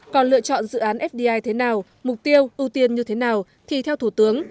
còn lựa chọn dự án fdi thế nào mục tiêu ưu tiên như thế nào thì theo thủ tướng